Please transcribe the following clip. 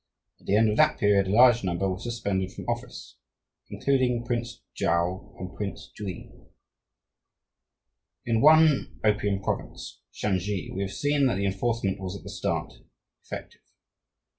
At the end of that period a large number were suspended from office, including Prince Chuau and Prince Jui. In one opium province, Shansi, we have seen that the enforcement was at the start effective.